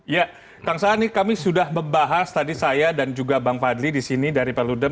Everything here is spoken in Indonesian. ya kang saan ini kami sudah membahas tadi saya dan juga bang fadli di sini dari perludem